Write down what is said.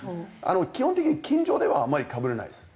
基本的に近所ではあまりかぶらないです。